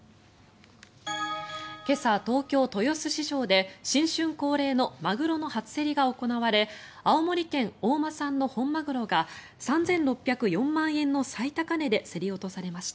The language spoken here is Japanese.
今朝、東京・豊洲市場で新春恒例のマグロの初競りが行われ青森県・大間産の本マグロが３６０４万円の最高値で競り落とされました。